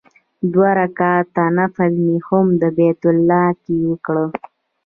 دوه رکعاته نفل مې هم په بیت الله کې وکړ.